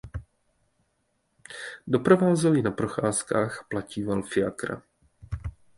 Doprovázel ji na procházkách a platíval fiakra.